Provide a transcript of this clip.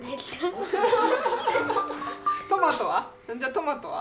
トマトは？